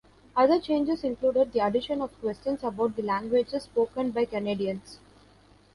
Other changes included the addition of questions about the languages spoken by Canadians.